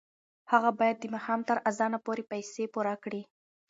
هغه باید د ماښام تر اذانه پورې پیسې پوره کړي.